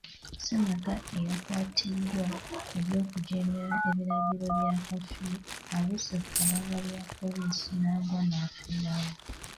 Ssemaka eyakwatiddwa ku by'okujeemera ebiragiro bya kaafiyu abuuse ku kabangali ya Poliisi naggwa naafiirawo.